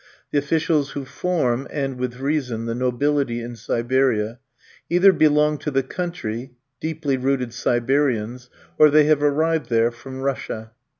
The officials who form, and with reason, the nobility in Siberia, either belong to the country, deeply rooted Siberians, or they have arrived there from Russia.